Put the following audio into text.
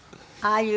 ああいう